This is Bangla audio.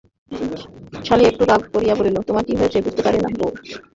শশী একটু রাগ করিয়া বলিল, তোমার কী হয়েছে বুঝতে পারছি না বৌ।